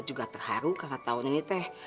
juga terharu karena tahun ini teh